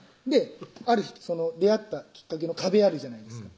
ある日出会ったきっかけの壁あるじゃないですか